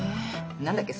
何だっけ